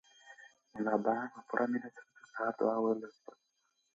ملا بانګ په پوره مینه سره د سهار دعا ولوسته.